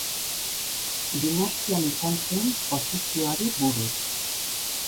Dinastian izan zuen posizioari buruz.